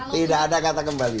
tidak ada kata kembali